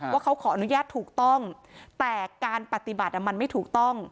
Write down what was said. ว่าเขาขออนุญาตถูกต้องแต่การปฏิบัติมันไม่ถูกต้อง